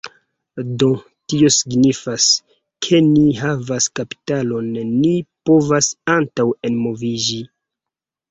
Do, tio signifas, ke ni havas kapitalon ni povas antaŭenmoviĝi